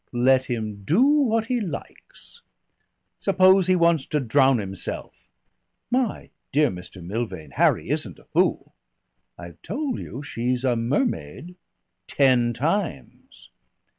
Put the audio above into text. "Let him do what he likes." "Suppose he wants to drown himself?" "My dear Mr. Milvain, Harry isn't a fool." "I've told you she's a mermaid." "Ten times."